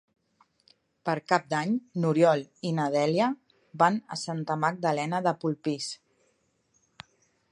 Per Cap d'Any n'Oriol i na Dèlia van a Santa Magdalena de Polpís.